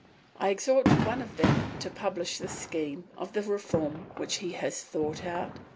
I exhort one of them to publish the scheme of reform which he has thought out.